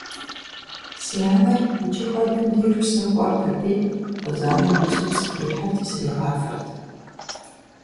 Си анэр иджы хуэдэм деж псым кӀуэрт аби, кхъузанэм изу псы къихьрти сригъафэрт.